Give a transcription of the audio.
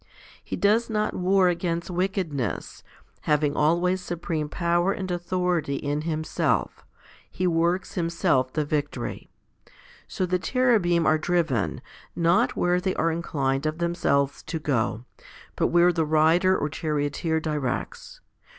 He does not war against wickedness ; having always supreme power and authority in Himself, He works Himself the victory. So the Cherubim are driven, not where they are inclined of themselves to go, but where the Rider or Charioteer directs.